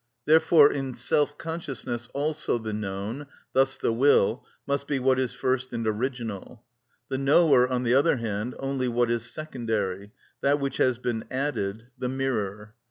Therefore in self consciousness also the known, thus the will, must be what is first and original; the knower, on the other hand, only what is secondary, that which has been added, the mirror.